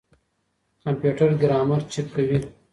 کمپيوټر ګرامر چک کوي.